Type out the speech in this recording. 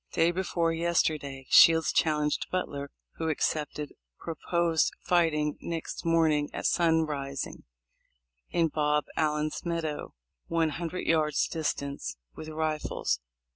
Day before yesterday Shields challenged Butler, who accepted, pro posed fighting next morning at sunrising in Bob Allen's meadow, one hundred yards distance, with rifles.